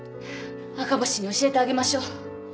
赤星に教えてあげましょう。